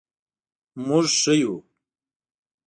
مونږ ښه یو